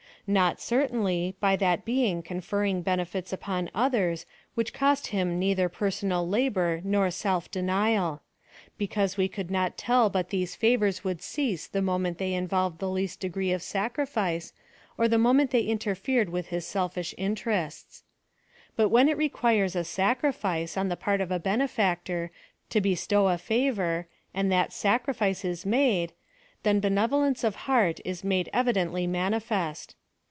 Not, certainly, by that being conferring benefits upon others, which cost him neither person al labor, nor self denial ; because we could not tell but these favors would cease the moment they in volved the least degree of sacrifice, or the moment they interfered with his selfish interests. But when it requires a sacrifice, on the part of a benefactor, to bestow a favor, and that sacrifice is made, then be nevolence of heart is made evidently manifest.